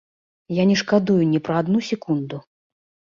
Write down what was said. Я не шкадую ні пра адну секунду.